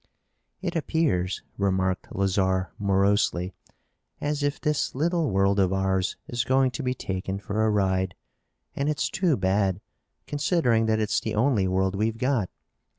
"It appears," remarked Lazarre morosely, "as if this little world of ours is going to be taken for a ride. And it's too bad, considering that it's the only world we've got.